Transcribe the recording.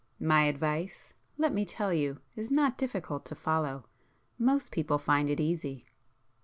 My advice, let me tell you is not difficult to follow; most people find it easy!"